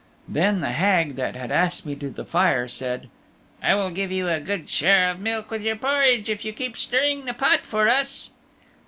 Then the Hag that had asked me to the fire said, "I will give you a good share of milk with your porridge if you keep stirring the pot for us."